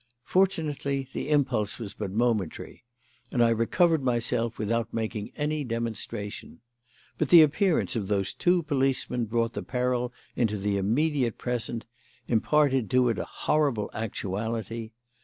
Fortunately the impulse was but momentary, and I recovered myself without making any demonstration. But the appearance of those two policemen brought the peril into the immediate present, imparted to it a horrible actuality.